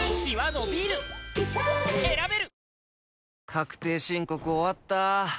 確定申告終わった。